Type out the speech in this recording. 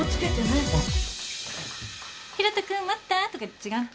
「広斗君待った？」とか違う。